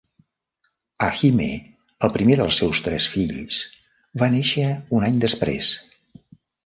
Hajime, el primer dels seus tres fills, va nàixer un any després.